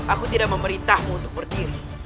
aku tidak memerintahmu untuk berdiri